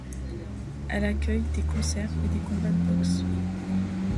Elle accueille des concerts et des combats de boxe.